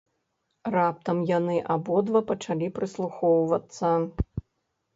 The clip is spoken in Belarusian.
Раптам яны абодва пачалі прыслухоўвацца.